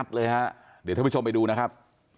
เดี๋ยวท่านผู้ชมไปดูนะครับ